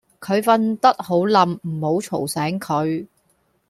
佢瞓得好稔唔好嘈醒佢